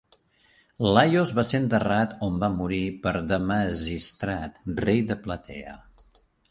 Laios va ser enterrat on va morir per Damasistrat, rei de Platea.